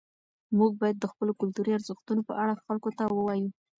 موږ باید د خپلو کلتوري ارزښتونو په اړه خلکو ته ووایو.